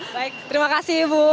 baik terima kasih ibu